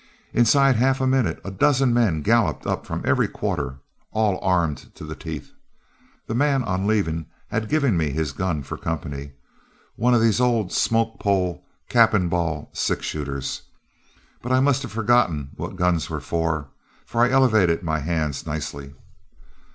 Inside of half a minute a dozen men galloped up from every quarter, all armed to the teeth. The man on leaving had given me his gun for company, one of these old smoke pole, cap and ball six shooters, but I must have forgotten what guns were for, for I elevated my little hands nicely.